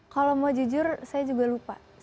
kalau mau jujur saya juga lupa